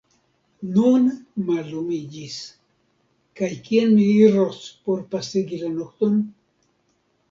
Nun mallumiĝis; kaj kien mi iros por pasigi la nokton?